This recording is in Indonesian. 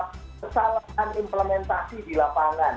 kesalahan implementasi di lapangan